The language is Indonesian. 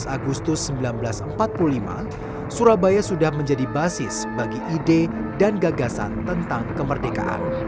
tujuh belas agustus seribu sembilan ratus empat puluh lima surabaya sudah menjadi basis bagi ide dan gagasan tentang kemerdekaan